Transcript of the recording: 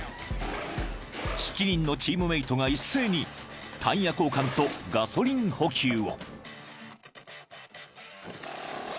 ［７人のチームメートが一斉にタイヤ交換とガソリン補給を］